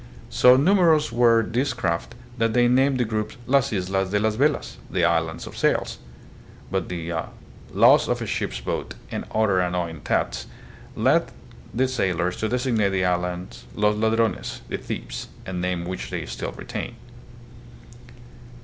So numerous were these craft that they named the group Las Islas de las Velas (the Islands of Sails) ; but the loss' of a ship's boat and other annoying thefts led the sailors to designate the islands Los Ladrones (the Thieves), a name which they still retain.